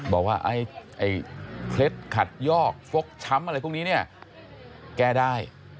บอกว่าไอ้เคล็ดขัดยอกฟกช้ำอะไรพวกนี้เนี่ยแก้ได้